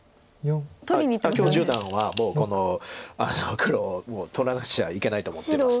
許十段はもうこの黒を取らなくちゃいけないと思ってます。